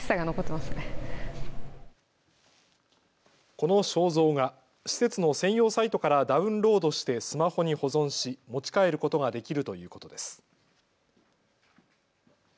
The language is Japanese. この肖像画、施設の専用サイトからダウンロードしてスマホに保存し持ち帰ることができるということです。